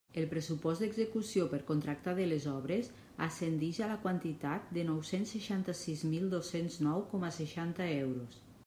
El pressupost d'execució per contracta de les obres ascendix a la quantitat de nou-cents seixanta-sis mil dos-cents nou coma seixanta euros.